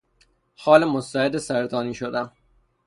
خال مستعد سرطانی شدن